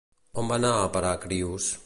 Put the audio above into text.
On va anar a parar Crios?